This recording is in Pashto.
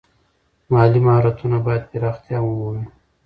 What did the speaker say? مالي مهارتونه باید پراختیا ومومي.